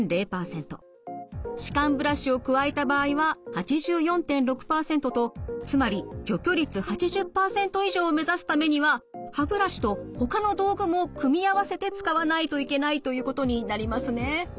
歯間ブラシを加えた場合は８４．６％とつまり除去率８０％以上を目指すためには歯ブラシとほかの道具も組み合わせて使わないといけないということになりますね。